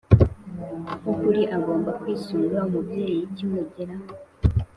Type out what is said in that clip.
wukuri agomba kwisunga umubyeyi kimugeraho